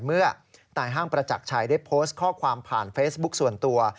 เมื่อนายห้างประจักรชัยได้โพสต์ข้อความผ่านเฟซบุ๊คส่วนตัว